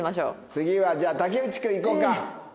次はじゃあ竹内君いこうか。